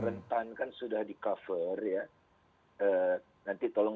rentan kan sudah di cover ya nanti tolong